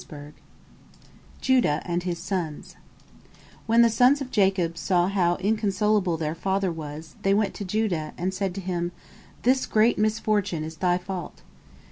JUDAH AND HIS SONS When the sons of Jacob saw how inconsolable their father was, they went to Judah, and said to him, "This great misfortune is thy fault."